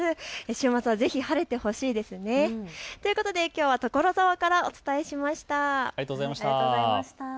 週末はぜひ晴れてほしいですね。ということできょうは所沢からお伝えしました。